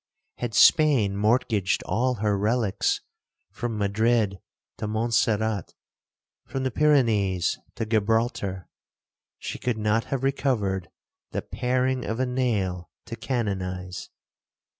Had Spain mortgaged all her reliques from Madrid to Monserrat, from the Pyrennees to Gibraltar, she could not have recovered the paring of a nail to canonize.